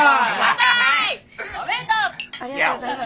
ありがとうございます。